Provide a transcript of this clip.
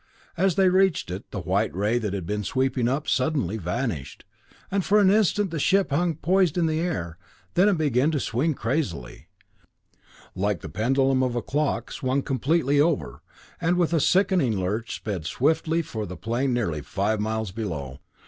As they reached it, the white ray that had been sweeping up suddenly vanished, and for an instant the ship hung poised in the air; then it began to swing crazily, like the pendulum of a clock swung completely over and with a sickening lurch sped swiftly for the plain nearly five miles below.